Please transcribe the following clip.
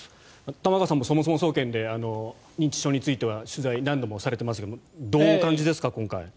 玉川さんもそもそも総研で認知症については取材を何度もされていますが今回、どうお感じですか？